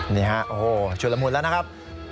นี่ฮะโอ้โหชุดละมุนแล้วนะครับ